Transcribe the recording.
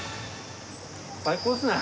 最高ですね。